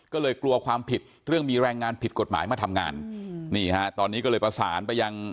ก็เลยกลัวความผิดเรื่องมีแรงงานผิดกฎหมายมาทำงานนี่ฮะตอนนี้ก็เลยประสานไปยัง